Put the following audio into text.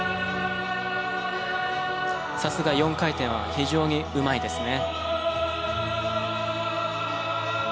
さすが４回転は非常にうまいですね。